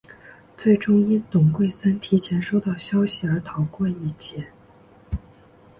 最终因董桂森提前收到消息而逃过一劫。